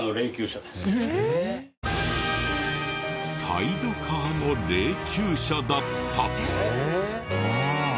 サイドカーの霊柩車だった。